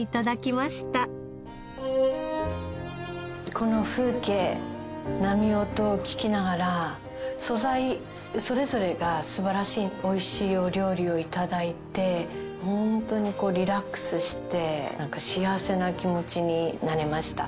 この風景波音を聞きながら素材それぞれが素晴らしい美味しいお料理を頂いてホントにリラックスして幸せな気持ちになりました。